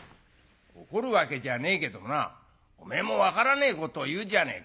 「怒るわけじゃねえけどもなおめえも分からねえことを言うじゃねえか。